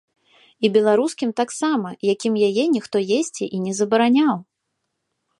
І беларускім таксама, якім яе ніхто есці і не забараняў.